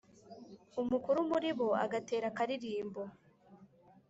umukuru muri bo agatera akaririmbo